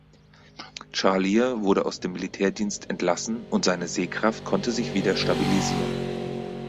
Charlier wurde aus dem Militärdienst entlassen und seine Sehkraft konnte sich wieder stabilisieren.